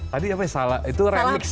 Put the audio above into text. tadi apa ya salah itu remix